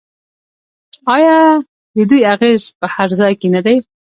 آیا د دوی اغیز په هر ځای کې نه دی؟